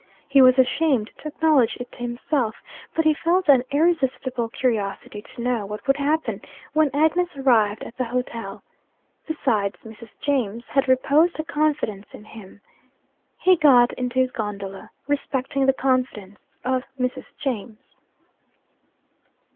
He was ashamed to acknowledge it to himself, but he felt an irresistible curiosity to know what would happen when Agnes arrived at the hotel. Besides, 'Mrs. James' had reposed a confidence in him. He got into his gondola, respecting the confidence of 'Mrs. James.'